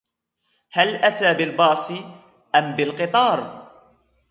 هل أتى بالباص أم بالقطار ؟